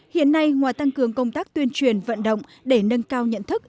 hiện nay ngoài tăng cường công tác tuyên truyền vận động để nâng cao nhận thức